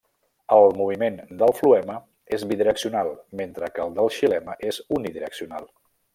El moviment del floema és bidireccional, mentre que el del xilema és unidireccional.